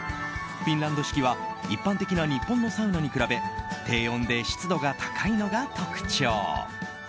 フィンランド式は一般的な日本のサウナに比べ低温で湿度が高いのが特徴。